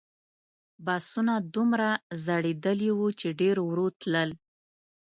بسونه دومره زړیدلي وو چې ډېر ورو تلل.